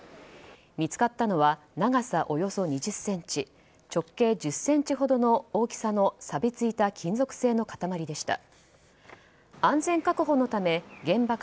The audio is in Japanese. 見つかったのは長さおよそ２０ｃｍ直径１０ｃｍほどの大きさのさびついた金属製の塊でした。